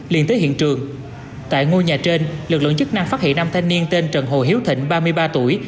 liền tới hiện trường tại ngôi nhà trên lực lượng chức năng phát hiện năm thanh niên tên trần hồ hiếu thịnh ba mươi ba tuổi